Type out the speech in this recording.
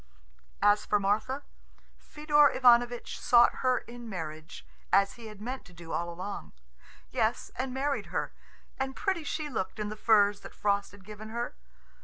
As for Martha, Fedor Ivanovitch sought her in marriage, as he had meant to do all along yes, and married her; and pretty she looked in the furs that Frost had given her.